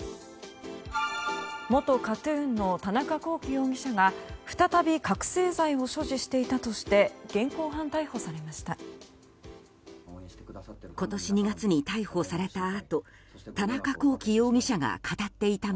元ＫＡＴ‐ＴＵＮの田中聖容疑者が再び覚醒剤を所持していたとして現行犯逮捕されました。